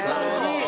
いい！